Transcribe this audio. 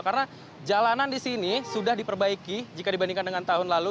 karena jalanan di sini sudah diperbaiki jika dibandingkan dengan tahun lalu